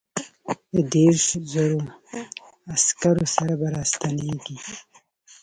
د دیرشو زرو عسکرو سره به را ستنېږي.